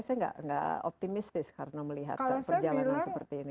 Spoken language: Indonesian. saya tidak optimistis karena melihat perjalanan seperti ini